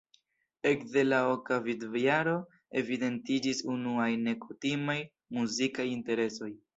Ekde la oka vivjaro evidentiĝis unuaj nekutimaj muzikaj interesoj.